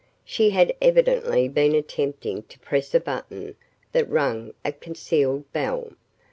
She had evidently been attempting to press a button that rang a concealed bell.